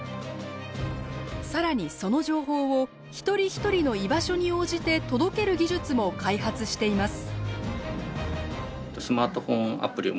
更にその情報を一人一人の居場所に応じて届ける技術も開発しています。